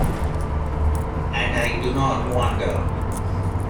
And I do not wonder.